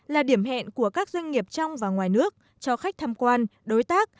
là điểm hẹn của các doanh nghiệp trong và ngoài nước cho khách tham quan đối tác